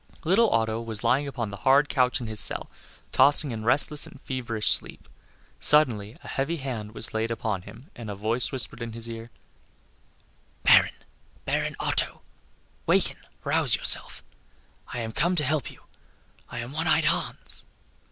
Little Otto was lying upon the hard couch in his cell, tossing in restless and feverish sleep; suddenly a heavy hand was laid upon him and a voice whispered in his ear, "Baron, Baron Otto, waken, rouse yourself; I am come to help you. I am One eyed Hans."